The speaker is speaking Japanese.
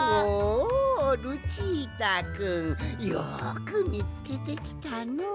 おルチータくんよくみつけてきたの。